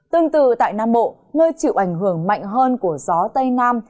tương tự tại nam bộ nơi chịu ảnh hưởng mạnh hơn của gió tây nam